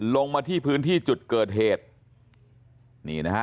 ลงมาที่พื้นที่จุดเกิดเหตุนี่นะฮะ